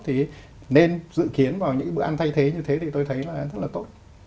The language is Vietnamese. thì nên dự kiến vào những bữa ăn thay thế như thế thì tôi thấy là rất là tốt